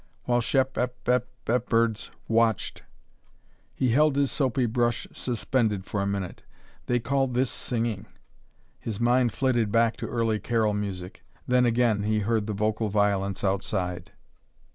"While Shep ep ep ep herds watched " He held his soapy brush suspended for a minute. They called this singing! His mind flitted back to early carol music. Then again he heard the vocal violence outside.